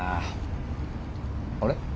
あれ？